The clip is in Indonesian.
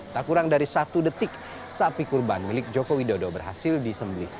tak kurang dari satu detik sapi kurban milik joko widodo berhasil disembelih